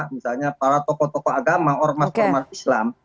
misalnya para tokoh tokoh agama ormas ormas islam